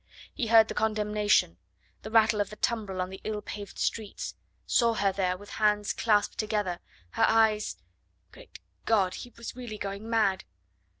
He heard the condemnation, the rattle of the tumbril on the ill paved streets saw her there with hands clasped together, her eyes Great God! he was really going mad!